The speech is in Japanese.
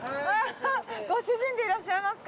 ご主人でいらっしゃいますか？